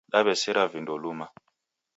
Dawesera vindo luma.